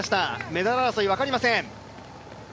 メダル争い、分かりません。